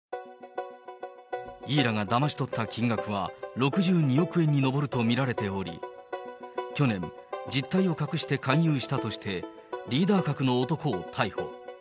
イーラがだまし取った金額は６２億円に上ると見られており、去年、実態を隠して勧誘したとして、リーダー格の男を逮捕。